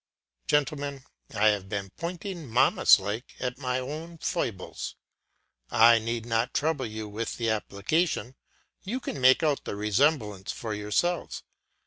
Gentlemen, I have been pointing Momus like at my own8 foibles; I need not trouble you with the application; you can make out the resemblance for yourselves.